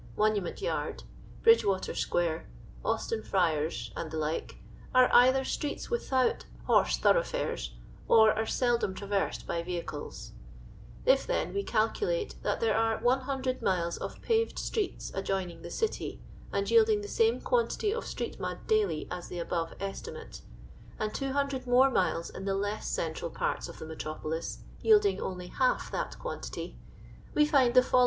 Monu ment yard, Bridgewater square, Austin friars, and the like, are either streets without horse thorough fares, or are seldom traversed by vehicles. If, then, we calculate that there are 100 miles of paved streets adjoining the City, and yielding the same quantity of street mud daily as the above estimate, and 200 more miles in the less central parts of the metropolis, yielding only half that quantity, wc find the following daily sum during the wet sea son :— Loads.